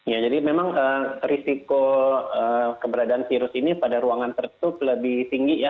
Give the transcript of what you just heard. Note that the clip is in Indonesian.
ya jadi memang risiko keberadaan virus ini pada ruangan tertutup lebih tinggi ya